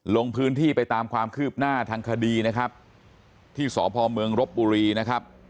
ลงพื้นที่ไปตามความคืบหน้าทางคดีนะครับที่สพเมืองรบบุรีนะครับ